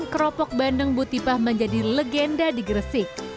keropok bandeng bu tipah menjadi legenda di gresik